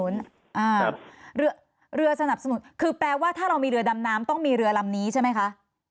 เรือสนับสนุนคือแปลว่าถ้าเรามีเรือดำน้ำต้องมีเรือลำนี้ใช่ไหมคะ